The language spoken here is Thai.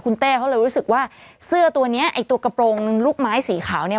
เต้เขาเลยรู้สึกว่าเสื้อตัวเนี้ยไอ้ตัวกระโปรงลูกไม้สีขาวเนี่ย